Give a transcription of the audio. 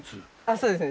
そうですね。